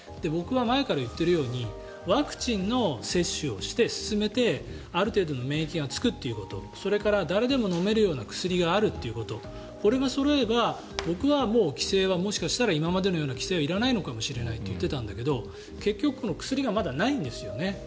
僕は前から言っているようにワクチンの接種をして進めて、ある程度の免疫がつくということそれから誰でも飲めるような薬があるということこれがそろえば僕はもしかしたら今までのような規制はいらないのかもしれないと言っていたけど結局この薬がまだないんですよね